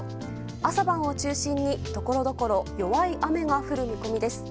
朝晩を中心に、ところどころ弱い雨が降る見込みです。